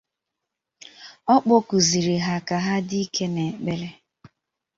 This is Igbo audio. Ọ kpọkùzịrị ha ka ha dị ike n'ekpere